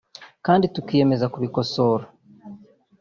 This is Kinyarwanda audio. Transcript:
kandi tukiyemeza kubikosora